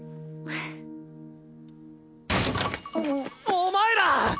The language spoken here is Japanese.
・お前ら！